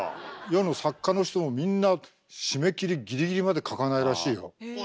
世の作家の人もみんな締め切りギリギリまで書かないらしいよ。